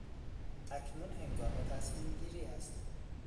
اکنون هنگام تصمیم گیری است.